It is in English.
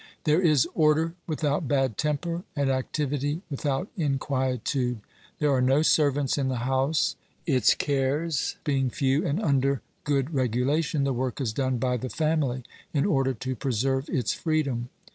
There is order without bad temper, and activity without inquietude. There are no servants in the house; its cares being few and under good regulation, the work is done by the family in order to preserve its freedom.